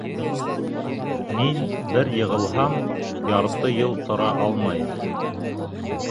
Мин бер йығылһам, ярты йыл тора алмайым.